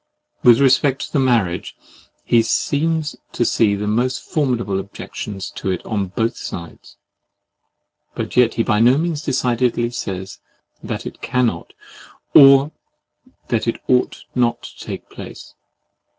With respect to the marriage, he seems to see the most formidable objections to it, on both sides; but yet he by no means decidedly says that it cannot, or that it ought not to take place.